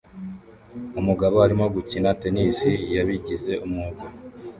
Umugabo arimo gukina tennis yabigize umwuga